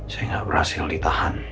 saya gak berhasil ditahan